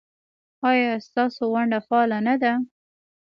ایا ستاسو ونډه فعاله نه ده؟